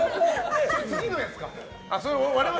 それは次のやつか。